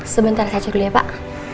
sebentar saja dulu ya pak